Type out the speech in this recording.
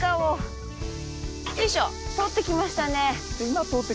通ってきましたね。